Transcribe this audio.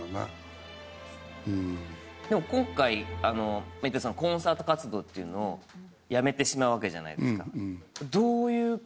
でも今回、コンサート活動っていうのをやめてしまうわけじゃないですか。